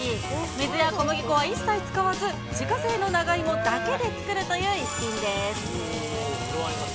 水や小麦粉は一切使わず、自家製の長芋だけで作るという一品です。